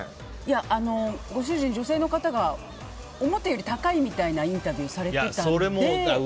ご主人、女性の方が思ったより高いみたいなインタビューをされていたので。